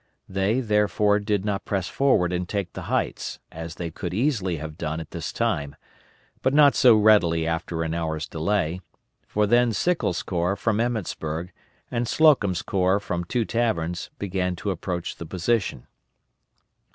They, therefore, did not press forward and take the heights, as they could easily have done at this time, but not so readily after an hour's delay, for then Sickles' corps from Emmetsburg, and Slocum's corps from Two Taverns, began to approach the position.